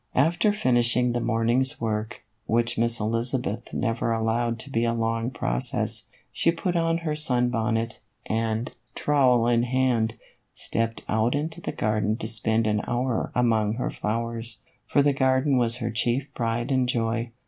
After finishing the morning's work, which Miss Elizabeth never allowed to be a long process, she put on her sun bonnet, and, trowel in hand, stepped out into the garden to spend an hour among her flowers, for the garden was her chief pride and joy.